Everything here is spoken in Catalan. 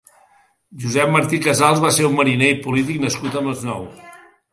Josep Martí Casals va ser un mariner i polític nascut al Masnou.